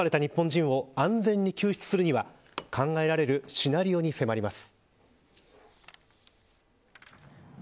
残された日本人を安全に救出するには考えられるシナリオに迫ります。